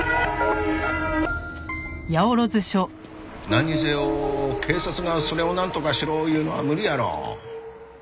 なんにせよ警察がそれをなんとかしろいうのは無理やろ。